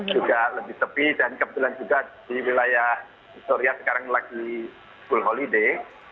juga lebih tepi dan kebetulan juga di wilayah victoria sekarang lagi school holiday